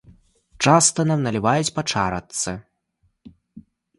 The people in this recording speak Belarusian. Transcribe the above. Часта нам наліваюць па чарачцы.